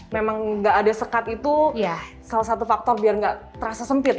memang gak ada sekat itu salah satu faktor biar gak terasa sempit gitu